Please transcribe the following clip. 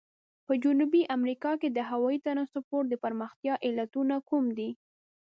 په جنوبي امریکا کې د هوایي ترانسپورت د پرمختیا علتونه کوم دي؟